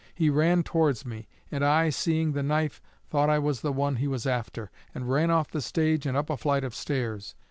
He ran towards me, and I, seeing the knife, thought I was the one he was after, and ran off the stage and up a flight of stairs.